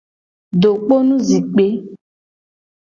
Dokponu zikpe.